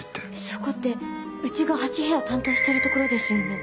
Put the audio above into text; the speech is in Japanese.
そこってうちが８部屋担当してるところですよね？